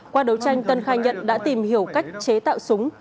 qua đấu tranh tân khai nhận đã tìm hiểu cách chế tạo súng